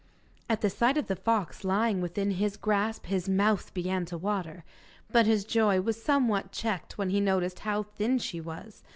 At the sight of the fox lying within his grasp his mouth began to water, but his joy was somewhat checked when he noticed how thin she was.